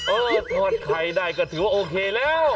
จะทอดไข่ได้ก็ถือว่าโอเคแล้ว